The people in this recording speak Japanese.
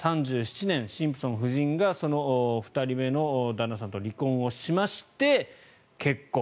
３７年、シンプソン夫人がその２人目の旦那さんと離婚をしまして結婚。